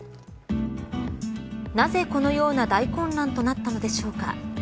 なぜ、このような大混乱となったのでしょうか。